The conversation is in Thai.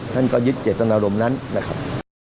ท่านก็ยึดเจตนารมณ์นั้นนะครับ